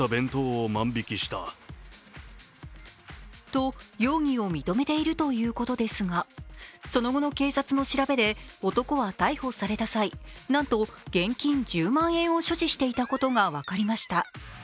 と容疑を認めているということですが、その後の警察の調べで、男は逮捕された際なんと現金１０万円を所持していたことが分かりました。